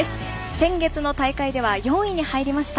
先月の大会では４位に入りました。